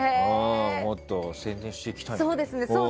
もっと宣伝していきたいな。